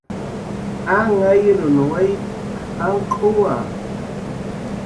"Anhariyun waytp""qa janq'uwa"